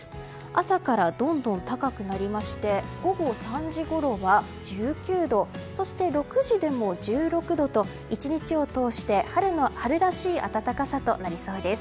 朝からどんどん高くなりまして午後３時ごろは１９度６時でも１６度と１日を通して春らしい暖かさとなりそうです。